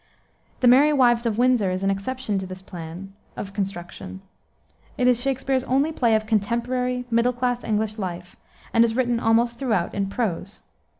The Merry Wives of Windsor is an exception to this plan of construction. It is Shakspere's only play of contemporary, middle class English life, and is written almost throughout in prose.